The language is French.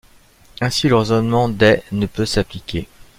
Ainsi, le raisonnement des ne peut s'appliquer.